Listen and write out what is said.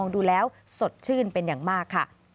ดูแล้วสดชื่นเป็นอย่างมากค่ะ